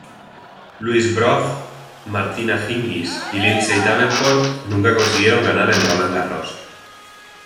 Louise Brough, Martina Hingis y Lindsay Davenport nunca consiguieron ganar en Roland Garros.